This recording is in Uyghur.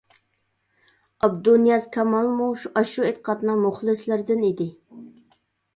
ئابدۇنىياز كامالمۇ ئاشۇ ئېتىقادنىڭ مۇخلىسلىرىدىن ئىدى.